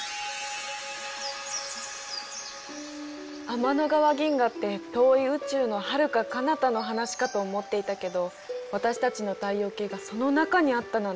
天の川銀河って遠い宇宙のはるかかなたの話かと思っていたけど私たちの太陽系がその中にあったなんて驚いた。